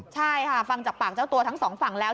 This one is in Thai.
ใช่ค่ะฟังจากปากเจ้าตัวทั้งสองฝั่งแล้ว